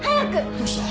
どうした？